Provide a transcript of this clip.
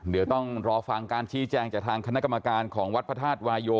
เดี๋ยวต้องรอฟังการชี้แจงจากทางคณะกรรมการของวัดพระธาตุวายโย